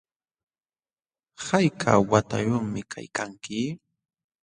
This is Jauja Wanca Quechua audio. ¿Hayka watayuqmi kaykanki?